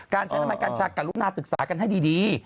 การใช้น้ำมันกันชากะลูนาศึกษากันให้ดี